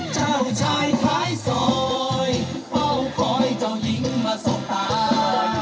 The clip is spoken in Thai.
เจ้าชายท้ายซอยเฝ้าคอยเจ้าหญิงมาสบตา